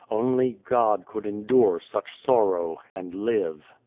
Only God could endure such sorrow and live